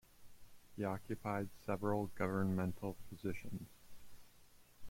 He occupied several governmental positions.